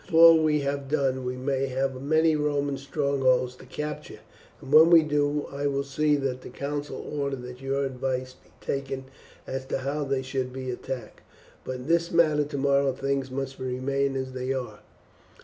Before we have done we may have many Roman strongholds to capture, and when we do I will see that the council order that your advice be taken as to how they shall be attacked; but in this matter tomorrow things must remain as they are.